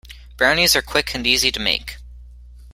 Brownies are quick and easy to make.